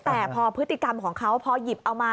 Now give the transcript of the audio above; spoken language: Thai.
แต่พอพฤติกรรมของเขาพอหยิบเอามา